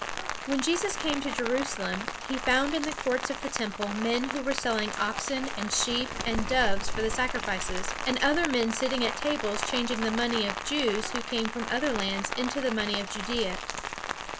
When Jesus came to Jerusalem, he found in the courts of the Temple men who were selling oxen and sheep and doves for the sacrifices, and other men sitting at tables changing the money of Jews who came from other lands into the money of Judea.